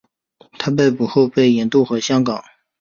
他被捕后被引渡回香港。